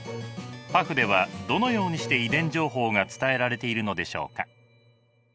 パフではどのようにして遺伝情報が伝えられているのでしょうか。